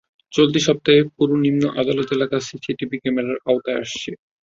চলতি সপ্তাহের মধ্যে পুরো নিম্ন আদালত এলাকা সিসি টিভি ক্যামেরার আওতায় আসছে।